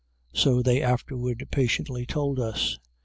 so they afterward patiently told us.